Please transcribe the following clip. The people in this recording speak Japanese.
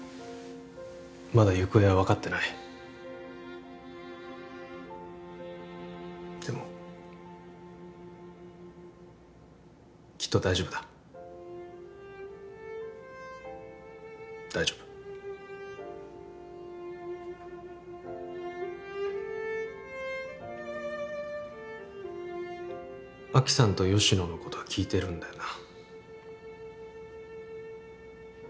まだ行方は分かってないでもきっと大丈夫だ大丈夫亜希さんと吉乃のことは聞いてるんだよな？